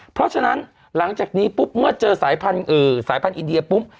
เพราะฉะนั้นหลังจากนี้ปุ๊บเมื่อเจอสายพันธ์อินเดียปุ๊บ